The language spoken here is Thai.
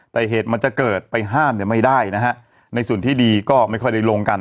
แต่เหตุมันจะเกิดไปห้ามเนี่ยไม่ได้นะฮะในส่วนที่ดีก็ไม่ค่อยได้ลงกัน